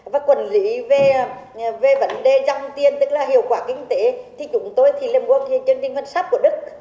và quản lý về vấn đề dòng tiền tức là hiệu quả kinh tế thì chúng tôi thì làm work trên chương trình phân sát của đức